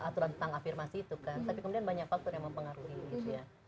aturan tentang afirmasi itu kan tapi kemudian banyak faktor yang mempengaruhi gitu ya